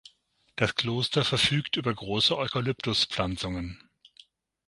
Das Kloster verfügt über große Eukalyptus-Pflanzungen.